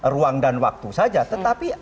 ruang dan waktu saja tetapi